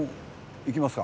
いきますか？